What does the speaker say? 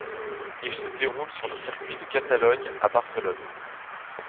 Il se déroule sur le circuit de Catalogne à Barcelone.